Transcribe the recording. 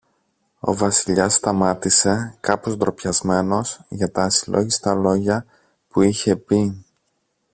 Ο Βασιλιάς σταμάτησε, κάπως ντροπιασμένος για τα ασυλλόγιστα λόγια που είχε πει.